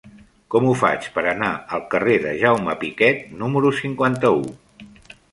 Com ho faig per anar al carrer de Jaume Piquet número cinquanta-u?